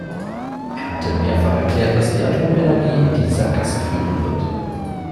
Er hatte mehrfach erklärt, dass die Atomenergie in die Sackgasse führen wird.